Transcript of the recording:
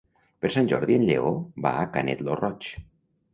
Per Sant Jordi en Lleó va a Canet lo Roig.